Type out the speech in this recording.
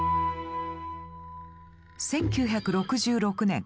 １９６６年